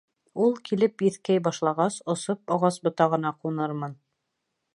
Ул килеп еҫкәй башлағас, осоп, ағас ботағына ҡунырмын.